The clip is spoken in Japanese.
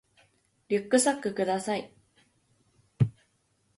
リュックサックください